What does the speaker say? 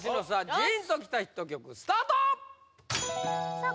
ジーンときたヒット曲スタートさあ